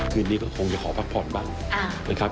คืนนี้ก็คงจะขอพักผ่อนบ้างนะครับ